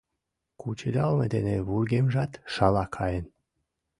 Кучедалме дене вургемжат шала каен.